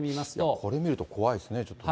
これ見ると怖いですね、ちょっとね。